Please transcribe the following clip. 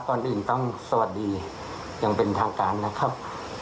ก่อนอื่นต้องสวัสดีอย่างเป็นทางการนะครับ